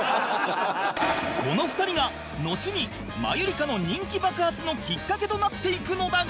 この２人がのちにマユリカの人気爆発のきっかけとなっていくのだが